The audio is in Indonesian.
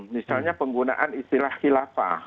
misalnya penggunaan istilah khilafah